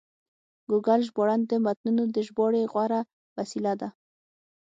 ګوګل ژباړن د متنونو د ژباړې غوره وسیله ده.